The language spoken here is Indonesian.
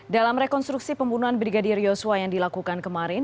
dalam rekonstruksi pembunuhan brigadir yosua yang dilakukan kemarin